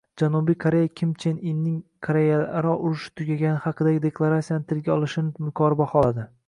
Janubiy Koreya Kim Chen Inning Koreyalararo urush tugagani haqidagi deklaratsiyani tilga olishini yuqori baholadi